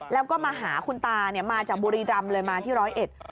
แล้วก็มาหาคุณตาเนี่ยมาจากบุรีรำเลยมาที่ร้อยเอ็ด